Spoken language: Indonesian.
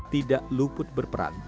tidak luput berperan